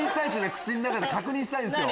口の中で確認したいんすよ。